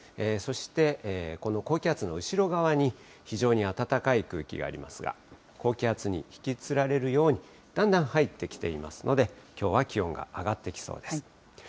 そして、この高気圧の後ろ側に非常に暖かい空気がありますが、高気圧に引きつられるように、だんだん入ってきていますので、きょうは気温が上がってきそうです。